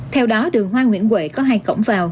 theo đó đường hoa nguyễn huệ có hai cổng vào